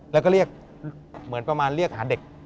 แล้วก็เรียกเหมือนประมาณเรียกหาเด็ก